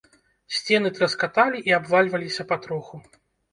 Сцены траскаталі і абвальваліся патроху.